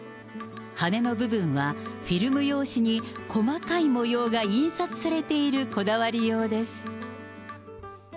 羽の部分はフィルム用紙に細かい模様が印刷されているこだわりようです。